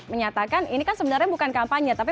menyatakan ini kan sebenarnya bukan kampanye tapi